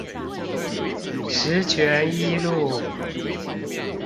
十全一路